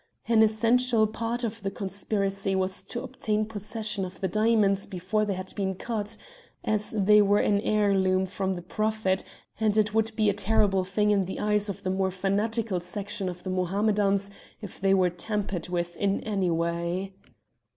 An essential part of the conspiracy was to obtain possession of the diamonds before they had been cut, as they were an heirloom from the Prophet, and it would be a terrible thing in the eyes of the more fanatical section of the Mohammedans if they were tampered with in any way.